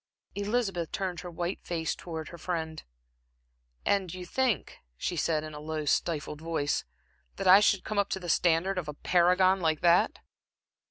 Elizabeth turned her white face towards her friend. "And you think," she said, in a low, stifled voice, "that I should come up to the standard of a paragon like that?"